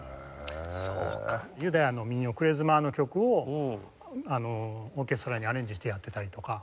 ユダヤの民謡クレズマーの曲をオーケストラにアレンジしてやってたりとか。